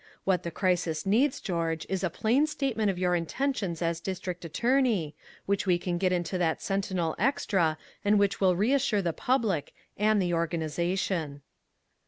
What the crisis needs, George, is a plain statement of your intentions as district attorney, which we can get into that Sentinel extra and which will reassure the public and the organization."